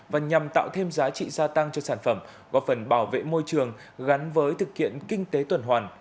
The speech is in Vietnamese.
và nhằm tạo thêm giá trị gia tăng cho sản phẩm góp phần bảo vệ môi trường gắn với thực kiện kinh tế tuần hoàn